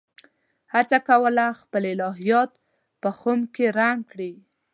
هڅه کوله خپل الهیات په خُم کې رنګ کړي.